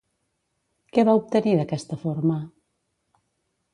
Què va obtenir d'aquesta forma?